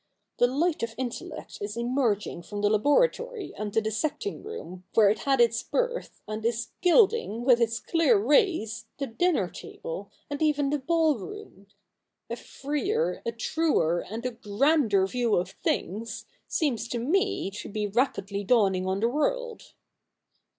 The light of intellect is emerging from the laboratory and the dissecting room, where it had its birth, and is gilding, with its clear rays, the dinner table, and even the ball room. A freer, a tmer, and a grander view of things, seems to me to be rapidly dawning on the world.'